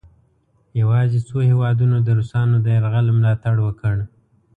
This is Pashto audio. یواځې څو هیوادونو د روسانو د یرغل ملا تړ وکړ.